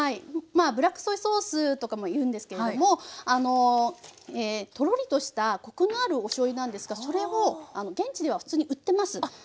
まあブラックソイソースとかもいうんですけれどもトロリとしたコクのあるおしょうゆなんですがそれを現地では普通に売ってます。